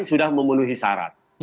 sudah memenuhi syarat